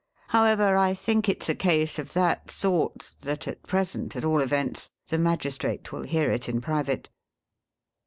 However, I think it 's a case of that sort, that, at present, at all events, the magistrate will hear it in private.'